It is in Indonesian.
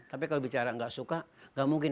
tapi kalau bicara nggak suka nggak mungkin